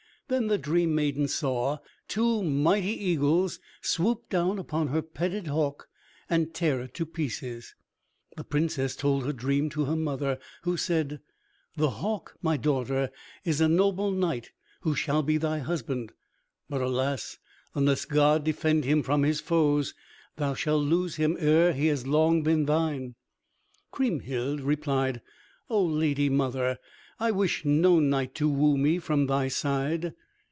Then the dream maiden saw two mighty eagles swoop down upon her petted hawk and tear it to pieces. The Princess told her dream to her mother, who said, "The hawk, my daughter, is a noble knight who shall be thy husband, but, alas, unless God defend him from his foes, thou shalt lose him ere he has long been thine." Kriemhild replied, "O lady mother, I wish no knight to woo me from thy side."